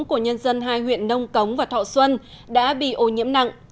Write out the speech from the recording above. của nhân dân hai huyện nông cống và thọ xuân đã bị ô nhiễm nặng